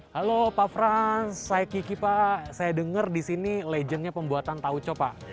halo pak frans saya kiki pak saya dengar di sini legendnya pembuatan tauco pak